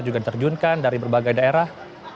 juga diterjunkan dari berbagai daerah